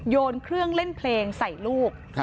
โยนเครื่องเล่นเพลงใส่ลูก